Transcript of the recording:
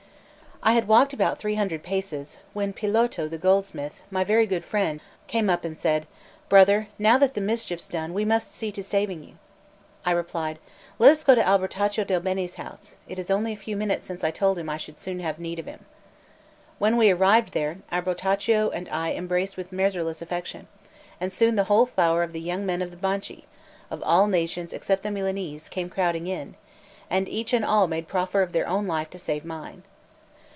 I had walked about three hundred paces, when Piloto the goldsmith, my very good friend, came up and said: "Brother, now that the mischief's done, we must see to saving you." I replied: "Let us go to Albertaccio del Bene's house; it is only a few minutes since I told him I should soon have need of him." When we arrived there, Albertaccio and I embraced with measureless affection; and soon the whole flower of the young men of the Banchi, of all nations except the Milanese, came crowding in; and each and all made proffer of their own life to save mine.